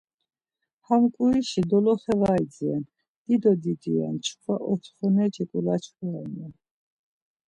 Ham ǩuişi doloxe var idziren, dido didi ren çkva otxoneçi kulaç koren ya.